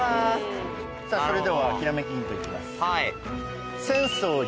それではひらめきヒントいきます。